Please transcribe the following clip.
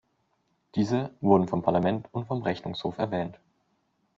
Diese wurden vom Parlament und vom Rechnungshof erwähnt.